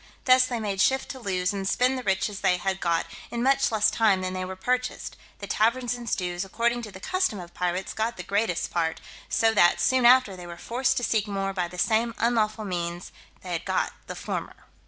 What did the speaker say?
Thus they made shift to lose and spend the riches they had got, in much less time than they were purchased: the taverns and stews, according to the custom of pirates, got the greatest part; so that, soon after, they were forced to seek more by the same unlawful means they had got the former.